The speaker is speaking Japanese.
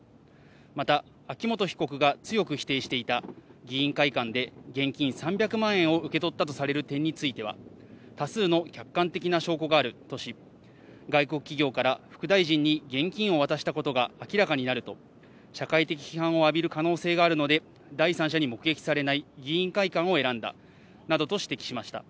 また秋元被告が強く否定していた、議員会館で現金３００万円を受け取ったとされる点については、多数の客観的な証拠があるとし、外国企業から副大臣に現金を渡したことが明らかになると、社会的批判を浴びる可能性があるので第三者に目撃されない議員会館を選んだなどと指摘しました。